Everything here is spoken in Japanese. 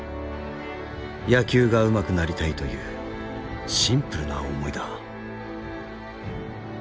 野球がうまくなりたいというシンプルな思いだ。